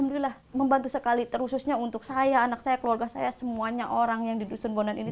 membantu sekali terkhususnya untuk saya anak saya keluarga saya semuanya orang yang didusun bonan ini